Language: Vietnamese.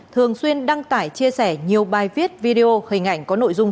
thường xuyên đăng tải chia sẻ nhiều bài viết video hình ảnh có nội dung